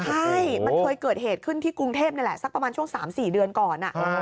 ใช่มันเคยเกิดเหตุขึ้นที่กรุงเทพนี่แหละสักประมาณช่วง๓๔เดือนก่อน